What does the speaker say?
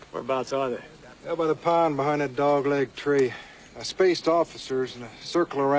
はい。